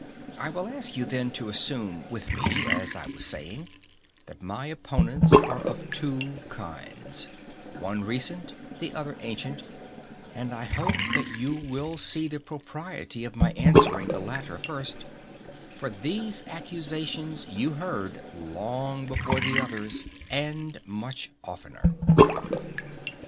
I will ask you then to assume with me, as I was saying, that my opponents are of two kinds; one recent, the other ancient: and I hope that you will see the propriety of my answering the latter first, for these accusations you heard long before the others, and much oftener.